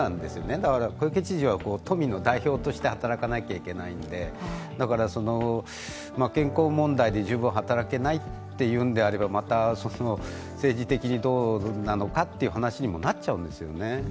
だから小池知事は都民の代表として働かないといけないので健康問題で十分働けないというのであればまた政治的にどうなのかという話にもなってしまうんですよね。